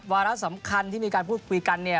วาระสำคัญที่มีการพูดคุยกันเนี่ย